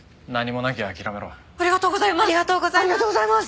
ありがとうございます！